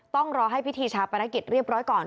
ต้องรอให้พิธีชาปนกิจเรียบร้อยก่อน